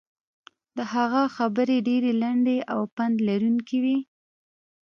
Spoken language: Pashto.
د هغه خبرې ډېرې لنډې او پند لرونکې وې.